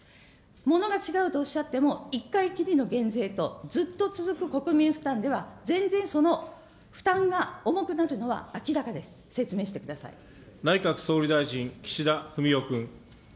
ものが違うとおっしゃっても、１回きりの減税と、ずっと続く国民負担では全然その負担が重くなるのは明らかです、内閣総理大臣、岸田文雄君。